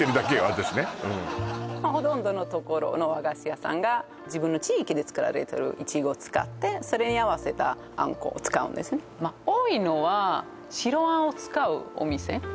私ねほとんどの所の和菓子屋さんが自分の地域で作られてるいちごを使ってそれに合わせたあんこを使うんですねまあ多いのは白あんを使うお店